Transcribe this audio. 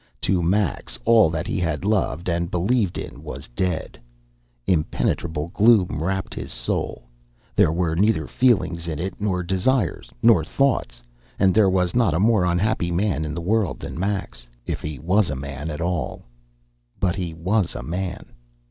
To Max all that he had loved and believed in was dead. Impenetrable gloom wrapped his soul. There were neither feelings in it, nor desires, nor thoughts. And there was not a more unhappy man in the world than Max, if he was a man at all. But he was a man.